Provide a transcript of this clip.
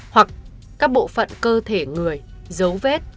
hoặc các bộ phận cơ thể người dấu vết